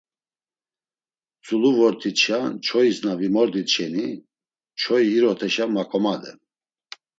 Tzulu vort̆itşa çoyis na vimordit şeni, çoyi iroteşa maǩomaden.